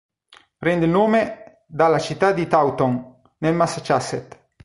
Prende il nome dalla città di Taunton nel Massachusetts.